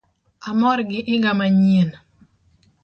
Amor gi iga manyien